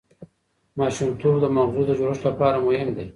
ماشومتوب د ماغزو د جوړښت لپاره مهم دی.